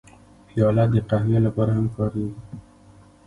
پیاله د قهوې لپاره هم کارېږي.